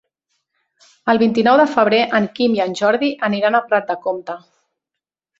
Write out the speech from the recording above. El vint-i-nou de febrer en Guim i en Jordi aniran a Prat de Comte.